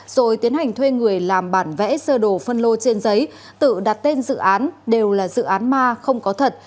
rồi tiến hành thuê người làm bản vẽ sơ đồ phân lô trên giấy tự đặt tên dự án đều là dự án ma không có thật